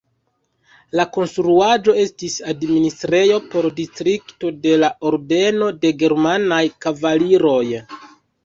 La konstruaĵo estis administrejo por distrikto de la Ordeno de germanaj kavaliroj.